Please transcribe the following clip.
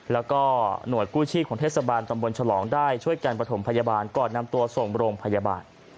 แล้วก็หน่วยกู้ชีพของเทศบาลตำบลฉลองได้ช่วยกันประถมพยาบาลก่อนนำตัวส่งโรงพยาบาล